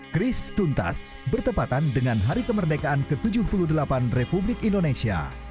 kris tuntas bertepatan dengan hari kemerdekaan ke tujuh puluh delapan republik indonesia